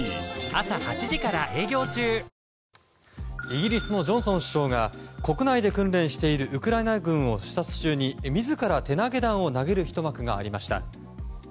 イギリスのジョンソン首相が国内で訓練しているウクライナ軍を視察中に自ら手投げ弾を投げるひと幕がありました。